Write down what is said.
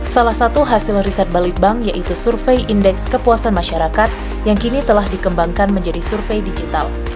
salah satu hasil riset balitbank yaitu survei indeks kepuasan masyarakat yang kini telah dikembangkan menjadi survei digital